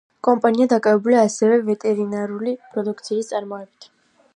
კომპანია დაკავებულია ასევე ვეტერინარული პროდუქციის წარმოებით.